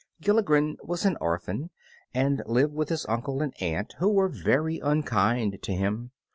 Gilligren was an orphan, and lived with an uncle and aunt who were very unkind to him.